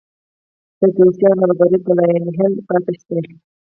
فرودستي او نابرابري به لاینحل پاتې شي.